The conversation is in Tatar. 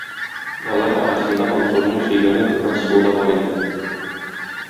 Алар арасында Мансурның сөйгәне Гөлназ сылу да бар икән.